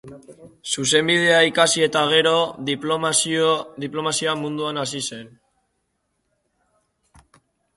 Zuzenbidea ikasi eta gero, diplomazia munduan hasi zen.